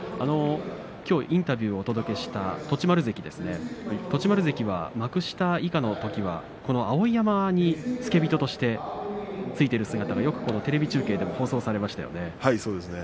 きょうインタビューをお届けした栃丸関ですが栃丸関は幕下以下のときは碧山の付け人として動いているところがよくテレビ中継で見ることができました。